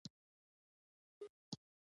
یوازې پرېښودل شوی احساس کوي.